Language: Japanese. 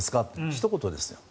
ひと言ですよ。